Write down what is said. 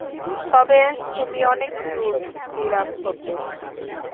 তবে তুমি অনেক কিউট জিরাফ হতে।